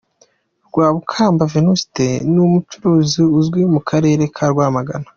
Rwabukamba Venuste ni umucuruzi uzwi mu Karere ka Rwamagana.